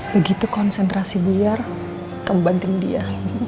begitu konsentrasi buyar kamu bantuin dia